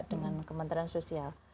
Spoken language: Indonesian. dengan kementerian sosial